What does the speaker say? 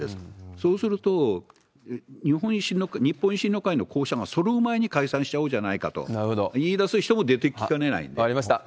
そうすると、日本維新の会の候補者がそろう前に解散しちゃおうじゃないかと言分かりました。